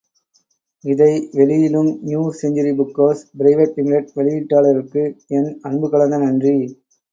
இதை வெளியிடும் new century book house private limited வெளியீட்டாளர்களுக்கு என் அன்பு கலந்த நன்றி.